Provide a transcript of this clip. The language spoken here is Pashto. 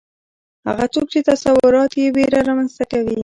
هغه څوک چې تصورات یې ویره رامنځته کوي